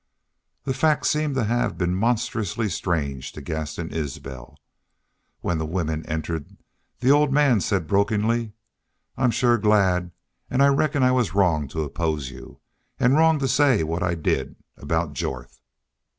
The fact seemed to have been monstrously strange to Gaston Isbel. When the women entered the old man said, brokenly: "I'm shore glad.... An' I reckon I was wrong to oppose you ... an' wrong to say what I did aboot Jorth."